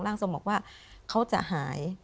ทรงบอกว่าเขาจะหาย